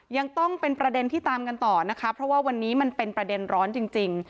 ยังต้องเป็นประเด็นที่ตามกันต่อนะคะเพราะว่าวันนี้มันเป็นประเด็นร้อนจริง